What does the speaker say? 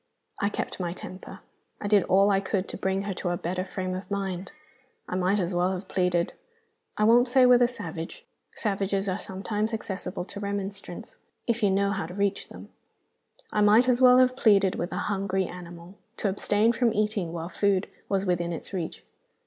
I kept my temper; I did all I could to bring her to a better frame of mind. I might as well have pleaded I won't say with a savage; savages are sometimes accessible to remonstrance, if you know how to reach them I might as well have pleaded with a hungry animal to abstain from eating while food was within its reach.